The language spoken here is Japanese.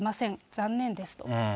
残念ですと。